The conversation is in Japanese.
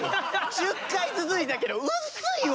１０回続いたけどうすいわ！